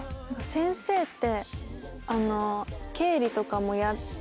先生って。